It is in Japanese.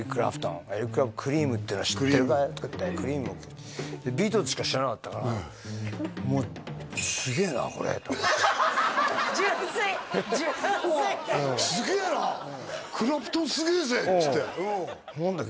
エリック・クラプトンクリームっていうのを知ってるかい？とかってクリームをビートルズしか知らなかったからもう純粋純粋だ「すげえな！クラプトンすげえぜ！」っつって何だよ